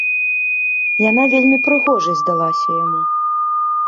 Яна вельмі прыгожай здалася яму.